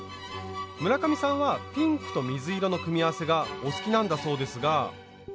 村上さんはピンクと水色の組み合わせがお好きなんだそうですが。